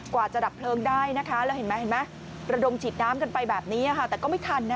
กว่าจะดับเพลงได้นะคะแล้วละดงฉีดน้ำกันไปแบบนี้ยังไม่ทัน